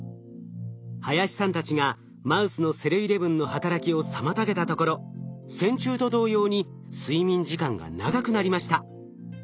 林さんたちがマウスのｓｅｌー１１の働きを妨げたところ線虫と同様に睡眠時間が長くなりました。